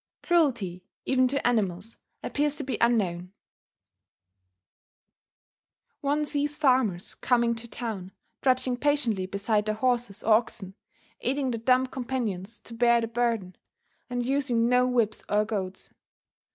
Cruelty, even to animals, appears to be unknown: one sees farmers, coming to town, trudging patiently beside their horses or oxen, aiding their dumb companions to bear the burden, and using no whips or goads.